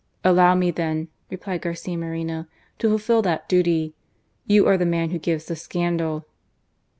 "Allow me, then," replied Garcia Moreno, " to fulfil that duty. You are the man who gives the scandal."